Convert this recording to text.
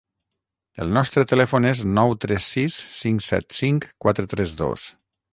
El nostre telèfon és nou tres sis cinc set cinc quatre tres dos.